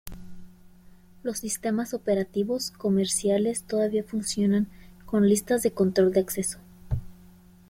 Los sistemas operativos comerciales todavía funcionan con listas de control de acceso.